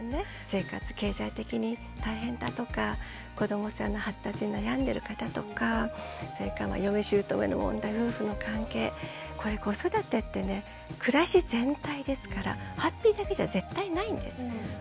生活経済的に大変だとか子どもさんの発達に悩んでる方とかそれから嫁姑の問題夫婦の関係これ子育てってね暮らし全体ですからハッピーだけじゃ絶対ないんです。